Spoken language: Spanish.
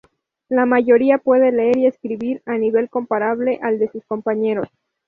La mayoría puede leer y escribir a un nivel comparable al de sus compañeros.